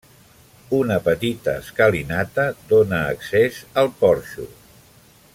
Una petita escalinata dóna accés al porxo.